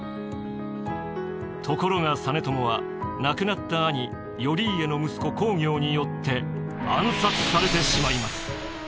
ところが実朝は亡くなった兄頼家の息子公暁によって暗殺されてしまいます。